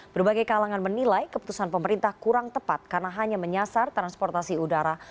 berbagai kalangan menilai keputusan pemerintah kurang tepat karena hanya menyasar transportasi udara